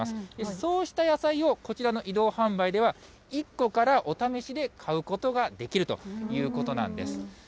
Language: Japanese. そうした野菜をこちらの移動販売では、１個からお試しで買うことができるということなんです。